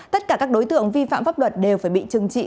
tất cả các đối tượng vi phạm pháp luật đều phải bị trừng trị